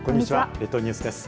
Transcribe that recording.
列島ニュースです。